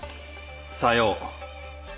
さよう。